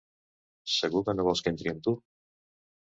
Segur que no vols que entri amb tu?